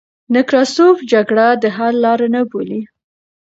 نکراسوف جګړه د حل لار نه بولي.